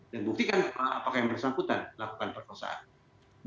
dan buktikan apakah yang bersangkutan melakukan perkosaan